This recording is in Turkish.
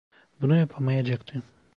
Bunu yapamayacaktı…